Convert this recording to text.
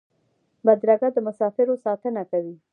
بدرګه د مسافرو ساتنه کوي.